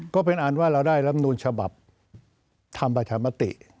ก็เป็นอันว่าเราได้รับนูลฉบับทำประชามติ